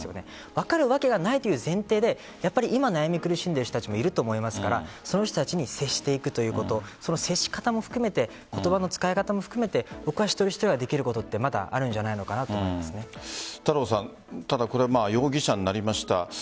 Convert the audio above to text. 分かるわけがないという前提で今悩み、苦しんでいる人たちもいると思いますからその人たちに接していくということ接し方も含めて言葉の使い方も含めて一人一人ができることってまだあるんじゃないかなと容疑者になりました。